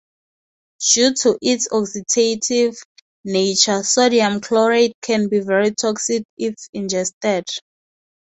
Due to its oxidative nature, sodium chlorate can be very toxic if ingested.